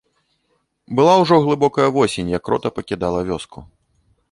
Была ўжо глыбокая восень, як рота пакідала вёску.